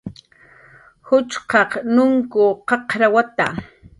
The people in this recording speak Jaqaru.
Juchqaq nunkw qaqrawata